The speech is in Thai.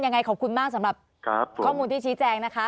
ยังไงขอบคุณมากสำหรับข้อมูลที่ชี้แจงนะคะ